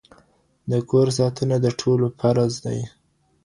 د کور ساتنه د ټولو فرض دی.